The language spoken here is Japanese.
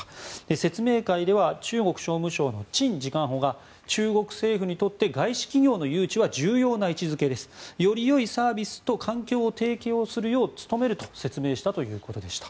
説明会では中国商務省のチン次官補が中国政府にとって外資企業の誘致は重要な位置づけですより良いサービスと環境を提供するよう努めると説明したということでした。